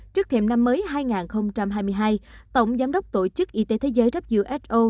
trước thêm năm mới hai nghìn hai mươi hai tổng giám đốc tổ chức y tế thế giới who